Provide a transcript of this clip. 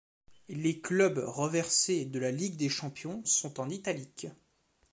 Les clubs reversés de la Ligue des Champions sont en italique.